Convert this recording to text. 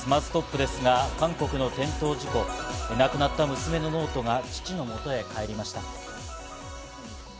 まずトップですが、韓国の転倒事故、亡くなった娘のノートが父の元へ帰りました。